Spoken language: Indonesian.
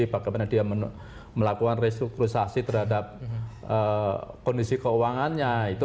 bagaimana dia melakukan restrukturisasi terhadap kondisi keuangannya